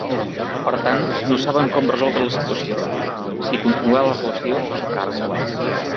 Per tant no saben com resoldre la situació, si continuar la relació o separar-se.